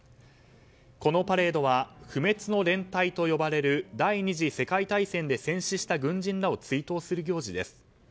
このパレードは不滅の連隊と呼ばれる第２次世界大戦で戦死した軍人らを追悼する行事です。